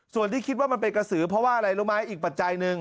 ส่วนที่คิดว่ามันเป็นกระสือเพราะว่าอะไรรู้ไหมอีกปัจจัยหนึ่ง